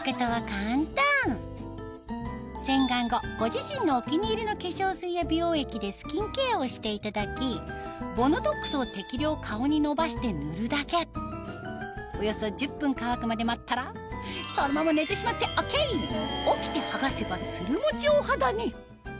洗顔後ご自身のお気に入りの化粧水や美容液でスキンケアをしていただきＢＯＮＯＴＯＸを適量顔にのばして塗るだけおよそ１０分乾くまで待ったらそのまま寝てしまってＯＫ起きて剥がせばツルモチお肌に！